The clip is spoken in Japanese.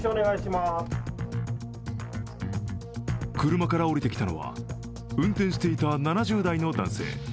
車から降りてきたのは、運転していた７０代の男性。